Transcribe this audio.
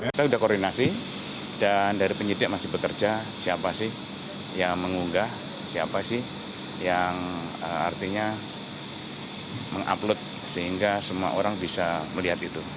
kita sudah koordinasi dan dari penyidik masih bekerja siapa sih yang mengunggah siapa sih yang artinya mengupload sehingga semua orang bisa melihat itu